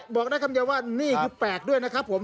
บอกได้คำเดียวว่านี่คือแปลกด้วยนะครับผม